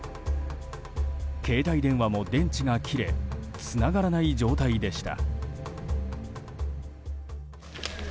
携帯電話も電池が切れつながらない状態でした。